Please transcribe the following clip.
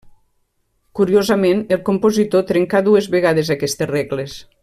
Curiosament, el compositor trencar dues vegades aquestes regles.